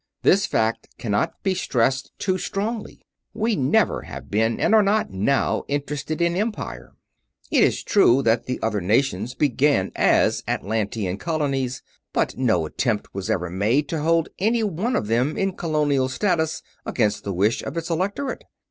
This fact cannot be stressed too strongly. We never have been and are not now interested in Empire. It is true that the other nations began as Atlantean colonies, but no attempt was ever made to hold any one of them in colonial status against the wish of its electorate.